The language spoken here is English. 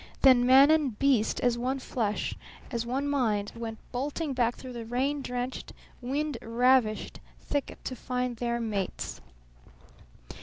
Then man and beast as one flesh, as one mind, went bolting back through the rain drenched, wind ravished thicket to find their mates.